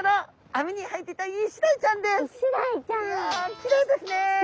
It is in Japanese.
きれいですね。